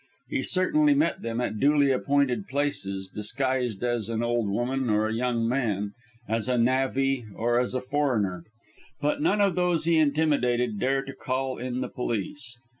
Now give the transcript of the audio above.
He certainly met them at duly appointed places, disguised as an old woman or a young man, as a navvy or as a foreigner; but none of those he intimidated dared to call in the police.